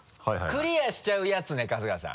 クリアしちゃうやつね春日さん。